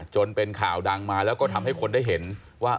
จนเป็นข่าวดังมาแล้วก็ทำให้คนได้เห็นว่า